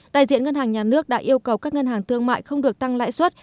đại diện ngân hàng nhà nước đã yêu cầu các ngân hàng thương mại không được tăng lãi suất